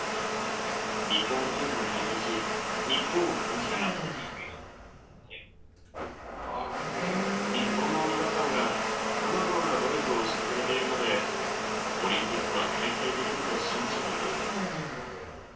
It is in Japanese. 日本の文化を体験し、日本を感じ日本の皆さんが、さまざまな努力をしてくれているので、オリンピックは開催できると信じています。